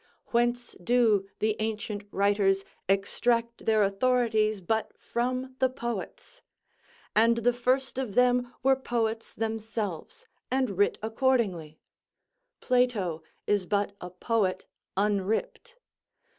Whence do the ancient writers extract their authorities but from the poets? and the first of them were poets themselves, and writ accordingly. Plato is but a poet unripped.